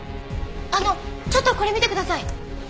あのちょっとこれ見てください！